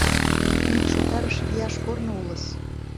Мӱкшотарыш вияш корно улыс.